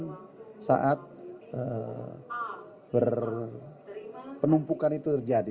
kemudian saat penumpukan itu terjadi